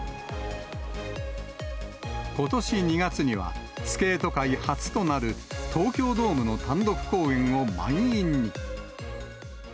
ことし２月には、スケート界初となる、東京ドームの単独公演を満員に。